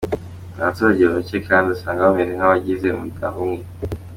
Ni abaturage bake kandi usanga bameze nk’abagize umuryango umwe.